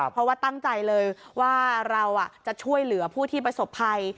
เพราะว่าตั้งใจเลยว่าเราจะช่วยเหลือผู้ที่ประสบภัย